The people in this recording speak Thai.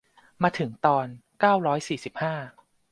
มาถึงตอน เก้าร้อยสี่สิบห้า